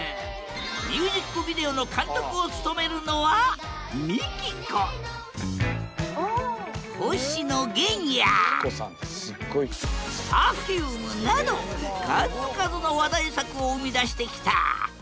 ミュージックビデオの監督を務めるのは星野源やＰｅｒｆｕｍｅなど数々の話題作を生み出してきた。